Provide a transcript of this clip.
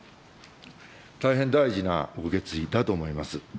大変大事なご決意だと思います。